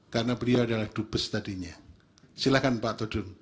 karena beliau adalah dubes tadinya silahkan pak todung